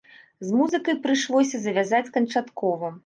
З музыкай прыйшлося завязаць канчаткова.